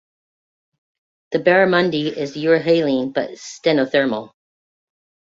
The barramundi is euryhaline, but stenothermal.